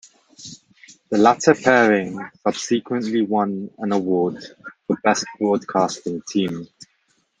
The latter pairing subsequently won an award for best broadcasting team.